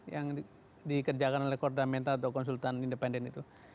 yang dikerjakan oleh korda menta atau konsultan independen itu